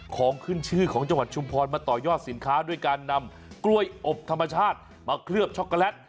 ของขึ้นชื่อของจังหวัดชุมพรมาต่อยอดสินค้าด้วยการนำกล้วยอบธรรมชาติมาเคลือบช็อกโกแลต